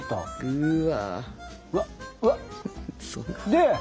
うわ！